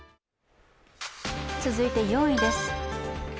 続いて４位です。